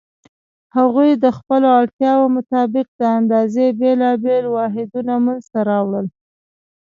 هغوی د خپلو اړتیاوو مطابق د اندازې بېلابېل واحدونه منځته راوړل.